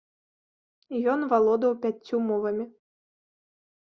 Ён валодаў пяццю мовамі.